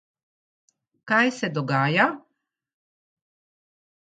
Kaj se dogaja?